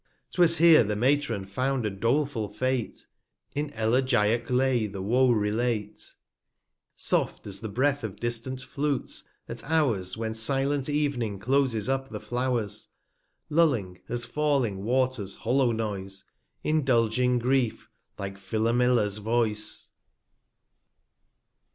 Twas here the Matron found a doleful Fate: In Elegiac Lay the Woe relate, Soft, as the Breath of distant Flutes, at Hours, 255 When silent Ev'ning closes up the Flow'rs ; Lulling, as falling Water's hollow noise ; Indulging Grief, like Philomelas Voice.